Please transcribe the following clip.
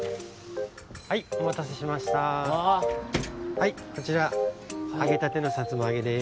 はいこちらあげたてのさつまあげです。